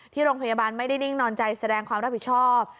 ที่โรงพยาบาลไม่ได้นิ่งนอนใจแสดงความรับผิดชอบ